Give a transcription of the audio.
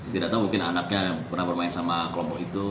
tidak tahu mungkin anaknya pernah bermain sama kelompok itu